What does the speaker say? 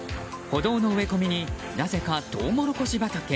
歩道の植え込みになぜかトウモロコシ畑。